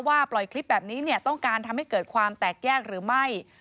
ปล่อยคลิปแบบนี้ต้องการทำให้เกิดความแตกแยกหรือไม่